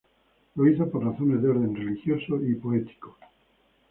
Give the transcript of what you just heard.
Lo hizo por razones de orden religioso y político.